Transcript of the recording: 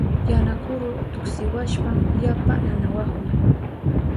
Yana kuru tuksiwashpan yapa nanawahun.